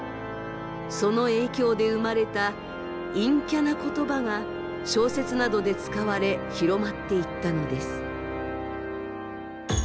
その影響で生まれた陰キャな言葉が小説などで使われ広まっていったのです。